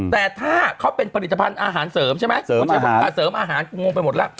แต่ถ้าเขาเป็นผลิตภัณฑ์อาหารเสริมใช่ไหมเสริมอาหารกูงงไปหมดแล้ว